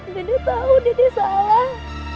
dede tau dede salah